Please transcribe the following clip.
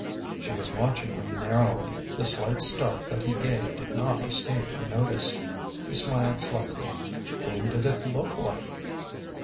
She was watching him narrowly. The slight start that he gave did not escape her notice. He smiled slightly. " Whom did it look like